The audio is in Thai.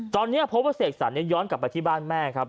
ตอนนี้พบว่าเสกสรรย้อนกลับไปที่บ้านแม่ครับ